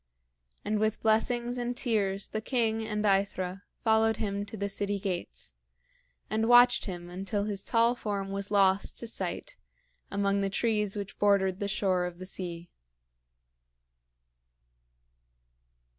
And with blessings and tears the king and AEthra followed him to the city gates, and watched him until his tall form was lost to sight among the trees which bordered the shore of the sea.